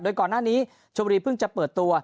โดยก่อนหน้านี้ชมบุรีเพิ่งจะเปิดตัว